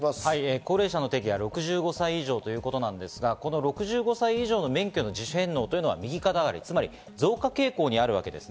高齢者の定義は６５歳以上ですが、６５歳以上の免許の自主返納は右肩上がり、増加傾向にあるわけです。